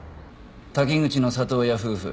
滝口の里親夫婦